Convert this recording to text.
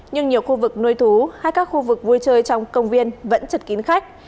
nhưng nhiều khu vực nuôi thú hay các khu vực vui chơi trong công viên vẫn chật kín khách